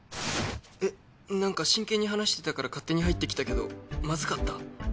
えっなんか真剣に話してたから勝手に入ってきたけどマズかった？